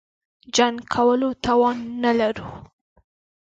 جنګ کولو توان نه لرو.